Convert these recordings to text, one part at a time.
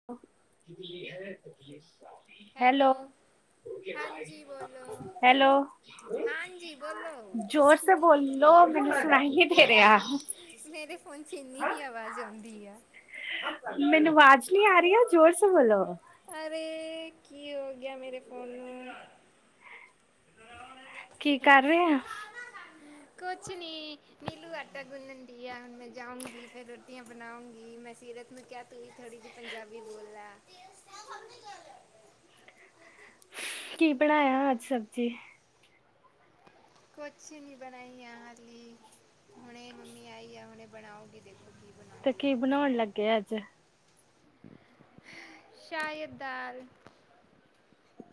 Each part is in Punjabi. [inaudible] ਹੈਲੋ, ਹਾਂਜੀ ਹੈਲੋ ਬੋਲੋਂ-ਹਾਂਜੀ ਬੋਲੋਂ। ਜ਼ੋਰ ਸੇ ਬੋਲੋਂ। ਮੈਂਨੂੰ ਸੁਣਾਈਂ ਨ੍ਹੀਂ ਦੇ ਰਿਆ। ਮੇਰੇ ਫ਼ੋਨ ਚ ਏਨੀ ਕੀ ਹੀ ਆਵਾਜ਼ ਆਉਂਦੀ ਆ। ਮੈਂਨੂੰ ਆਵਾਜ਼ ਨੀਂ ਆ ਰਹੀ ਆ। ਜ਼ੋਰ ਸੇ ਬੋਲੋਂ। ਅਰੇ ਕੀ ਹੋ ਗਿਆਂ ਮੇਰੇ ਫ਼ੋਨ ਨੂੰ [inaudible] ਕੀ ਕਰ ਰਹੇਂ ਆ? ਕੁੱਛ ਨੀਂ ਨੀਲੂ ਆਟਾ ਗੁੱਨਣ ਡੀ ਆ। ਮੈਂ ਜਾਉਂਗੀ ਫੇਰ ਰੋਟੀਆਂ ਬਣਾਉਂਗੀ। ਮੈਂ ਸੀਰਤ ਮੈਂ ਕਿਹਾਂ ਤੂੰ ਵੀ ਥੋੜ੍ਹੀ ਜੀ ਪੰਜਾਬੀ ਬੋਲ ਲ਼ੈ ਕੀ ਬਣਾਇਆਂ ਅੱਜ ਸਬਜ਼ੀ ਕੁੱਛ ਨੀਂ ਬਣਾਈ ਆ ਹਲੀ ਹੁਣੇ ਮੰਮੀ ਆਈਂ ਆ ਹੁਣੇ ਬਣਾਓਗੀ ਦੇਖੋਂ ਤੁੁਸੀ ਬਣਾ ਤੇ ਕੀ ਬਣਾਉਂਣ ਲੱਗੇਂ ਆ ਅੱਜ਼? ਸ਼ਾਇਦ ਦਾਲ਼।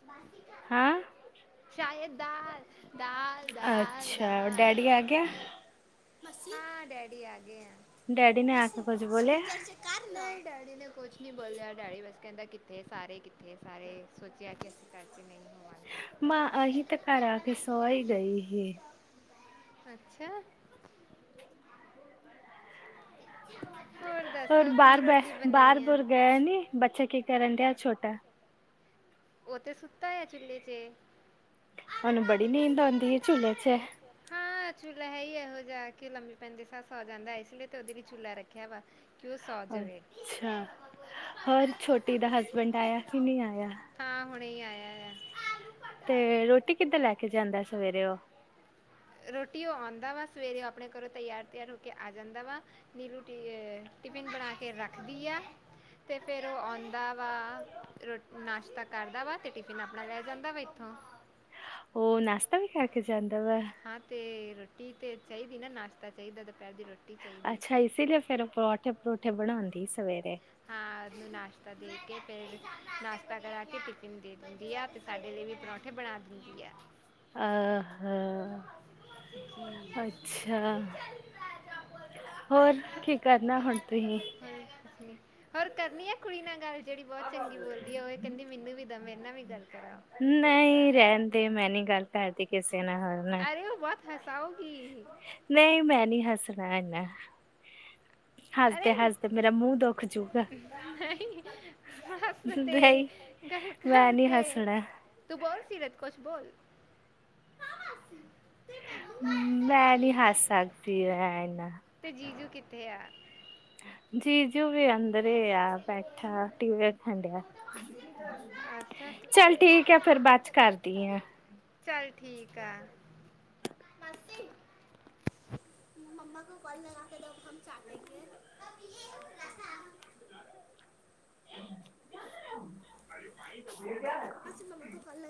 ਮਾਸੀ ਕਾ ਹਾਂ। ਸ਼ਾਇਦ ਦਾਲ਼, ਦਾਲ਼-ਦਾਲ਼, ਦਾਲ਼। ਮੈਂ ਕੇਆ। ਹਾਂ, ਡੈਡੀ ਆ ਗੇ ਆ। ਡੈਡੀ ਨੇ ਆ ਕੇ ਮਾਸੀ ਕੁੱਝ ਬੋਲਿਆ ਸਪੀਕਰ 'ਚ ਨਈ ਡੈਡੀ ਨੇ ਕੁਛ ਨੀਂ ਬੋਲਿਆ। ਡੈਡੀ ਬਸ ਕੈੰਦਾ ਕਿੱਥੇ ਸਾਰੇ -ਕਿੱਥੇ ਸਾਰੇ? ਸੋਚੇਆ ਕਿ ਅਸੀ ਘਰ 'ਚ ਨਈ ਹਾਂ। ਮੈਂ ਅਸੀ ਤੇ, ਘਰ ਆ ਕੇ ਸੋ ਈ ਗਈ ਹੀ। ਅੱਛਾ। ਹੋਰ ਦੱਸੋ ਬਾਰ ਕੀ ਬ ਰੋਟੀ ਬਣਾਈ ਆ ਬੁਰ ਗਏ ਨੀਂ? ਬੱਚਾ ਕੀ ਕਰਨ ਡਿਆ ਛੋਟਾ? ਓ ਤੇ ਸੁੱਤਾ ਏ ਝੂਲੇ 'ਚ। ਸਾਨੂੰ ਬੜੀ ਨੀਂਦ ਆਂਦੀ ਏ ਝੂਲੇ ਚ' ਹਾਂ, ਝੂਲਾ ਹੈ ਈ ਏਹੋ ਜੇਹਾ ਕੀ ਲੰਬੇ ਪੈੰਦੇ ਸਾਰ ਸੌ ਜਾਂਦਾ, ਏਸ ਲਈ ਤੇ ਓਦੇ ਲਈ ਝੂਲਾ ਰੱਖੇਆ ਵਾ ਕਿ ਓ ਸੌ ਜਵੇ। ਅੱਛਾ ਹੋਰ, ਛੋਟੀ ਦਾ ਹਸਬੈਂਡ ਆਏਆ ਕਿ ਨਈ ਆਏਆ? ਹਾਂ, ਹੁਣੇ ਹੀ ਆਏਆ ਆ। ਤੇ, ਰੋਟੀ ਕਿੱਧਰ ਲੈ ਕੇ ਜਾਂਦਾ ਸਵੇਰੇ ਓ? ਰੋਟੀ ਓ ਆਉੰਦਾ ਵਾ, ਸਵੇਰੇ ਓ ਆਪਣੇ ਘਰੋਂ ਤਿਆਰ- ਤਿਆਰ ਹੋ ਕੇ ਆ ਜਾਂਦਾ ਵਾ। ਨੀਲੂ ਅ ਟਿਫਿਨ ਬਣਾ ਕੇ ਰੱਖਦੀ ਆ। ਤੇ' ਫੇਰ ਓ ਆਉਂਦਾ ਵਾ ਰੋ, ਨਾਸ਼ਤਾ ਕਰਦਾ ਵਾ, ਤੇ ਟਿਫਿਨ ਆਪਣਾ ਲੈ ਜਾਂਦਾ ਵਾ ਇੱਥੋਂ ਓ ਨਾਸ਼ਤਾ ਵੀ, ਖਾ ਕੇ ਜਾਂਦਾ ਵਾ। ਹਾਂ, ਤੇ ਰੋਟੀ ਤੇ ਚਾਈਦੀ ਨਾ, ਨਾਸ਼ਤਾ ਚਾਈਦਾ ਦੁਪੈਰ ਦੀ ਰੋਟੀ ਚਾਹੀਦੀ ਅੱਛਾ ਇਸੇ ਲਈ ਫੇਰ ਓ ਪਰੌਂਠੇ, ਪਰੂੰਠੇ ਬਣਾਂਦੀ ਸਵੇਰੇ ਹਾਂ, ਉਨੂੰ ਨਾਸ਼ਤਾ ਦੇ ਕੇ, ਫੇਰ ਨਾਸ਼ਤਾ ਕਰਾ ਕੇ, ਟਿਫਿਨ ਦੇ ਦਿੰਦੀ ਆ ਸਾਡੇ ਲਈ ਵੀ, ਪਰੌਂਠੇ ਬਣਾ ਦਿੰਦੀ ਐ। [inaudible] ਅੱਛਾ [unintelligible] ਹੋਰ, ਕੀ ਕਰਨਾ ਹੁਣ ਤੁਸੀ? ਕੁਛ ਨੀ। ਹੋਰ ਕਰਨੀ ਐ ਕੁੜੀ ਨਾਲ ਗੱਲ, ਜੇਹੜੀ ਬੌਤ ਚੰਗੀ ਬੋਲਦੀ ਆ, ਓ ਏਹ ਕੈੰਦੀ ਮੈਨੂੰ ਵੀ ਦੋ ਮੇਰੇ ਨਾਲ ਵੀ ਗੱਲ ਕਰਾ। ਨਈ ਰੈਨ ਦੇ ਮੈਂ ਨੀ, ਗੱਲ ਕਰਦੀ ਕਿਸੇ ਨਾਲ। ਅਰੇ ਓ ਬੋਤ ਹਸਾਓਗੀ। ਨਈ ਮੈਂ ਨੀ ਹੱਸਣਾ ਇੰਨਾ। ਅਰੇ, ਮੇਰਾ ਮੂੰਹ ਦੁਖ ਜੂਗਾ ਨਹੀਂ ਹੱਸ ਤੇ ਨਹੀਂ ਗੱਲ- ਮੈਂ ਗੱਲ ਨੀ ਤੇ, ਹੱਸਣਾ ਤੂੰ ਬੋਲ ਸੀਰਤ ਕੁਛ ਬੋਲ ਤੇ ਮੈਨੂੰ ਨਾ ਐਸਾ ਮੈਂ ਨੀ, ਬੋਲੀ ਹੈ ਹੱਸ ਸਕਦੀ ਐੈ ਇੰਨਾ ਤੇ, ਜੀਜੂ ਕਿੱਥੇ ਆ? ਜੀਜੂ ਵੀ, ਅੰਦਰ ਈ ਆ, ਐਸੀ ਬੋਲੀ ਬੈਠਾ ਟੀਵੀ ਵੇਖਣ ਡੇਆ। ਉਹ ਤਾਂ ਮਾਸੀ ਬੋਲਦਾ ਅੱਛਾ ਤੂੰ- ਮੈਂ ਚੱਲ ਵੀ ਠੀਕ ਐ, ਫੇਰ ਬਾਦ ਚ' ਕਰਦੀ ਆਂ। ਚੱਲ ਠੀਕ ਐ। ਮੰਮਾ ਕੋ ਕਲ ਲੇਆ ਕੇ ਦੋ ਕੰਮ। [inaudible] [unintelligible] [unintelligible] [unintelligible]